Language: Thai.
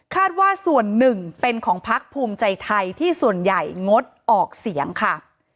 ว่าส่วนหนึ่งเป็นของพักภูมิใจไทยที่ส่วนใหญ่งดออกเสียงค่ะ